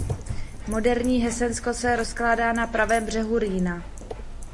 Moderní Hesensko se rozkládá na pravém břehu Rýna.